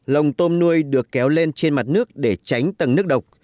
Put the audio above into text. lồng tôm nuôi được kéo lên trên mặt nước để tránh tầng nước độc